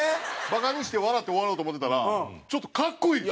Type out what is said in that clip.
バカにして笑って終わろうと思ってたらちょっと格好いい。